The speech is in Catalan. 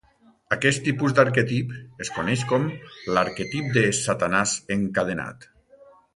Aquest tipus d'arquetip es coneix com l'arquetip de "Satanàs encadenat".